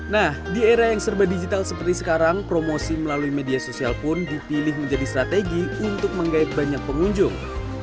nah di era yang serba digital seperti sekarang promosi melalui media sosial pun dipilih menjadi strategi untuk menggait banyak pengunjung